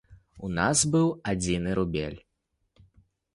У нас быў адзіны рубель.